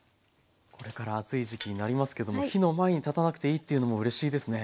これから暑い時期になりますけども火の前に立たなくていいっていうのもうれしいですね。